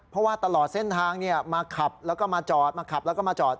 เพราะว่าตลอดเส้นทางมาขับแล้วก็มาจอดมาขับแล้วก็มาจอด